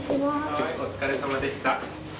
はいお疲れさまでした。